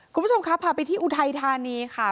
คุณผู้ชมครับพาไปที่อุทัยธานีค่ะ